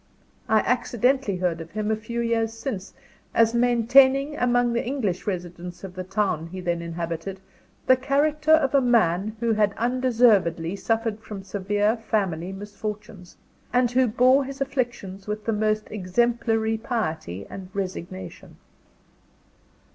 I accidentally heard of him, a few years since, as maintaining among the English residents of the town he then inhabited, the character of a man who had undeservedly suffered from severe family misfortunes, and who bore his afflictions with the most exemplary piety and resignation.